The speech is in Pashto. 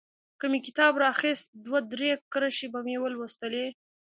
که مې کتاب رااخيست دوه درې کرښې به مې ولوستلې.